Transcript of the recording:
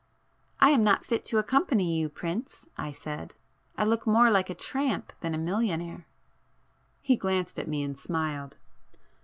"I am not fit to accompany you, prince," I said—"I look more like a tramp than a millionaire." He glanced at me and smiled.